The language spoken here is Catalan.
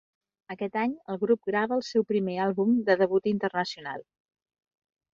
Aquest any, el grup grava el seu primer àlbum de debut internacional.